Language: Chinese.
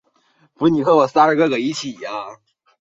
才不小！